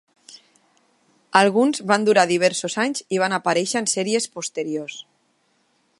Alguns van durar diversos anys i van aparèixer en sèries posteriors.